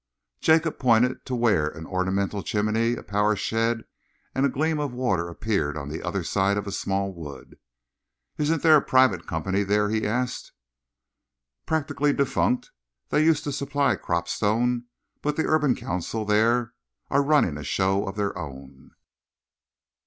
Jacob pointed to where an ornamental chimney, a power shed and a gleam of water appeared on the other side of a small wood. "Isn't there a private company there?" he asked. "Practically defunct. They used to supply Cropstone, but the Urban Council there are running a show of their own."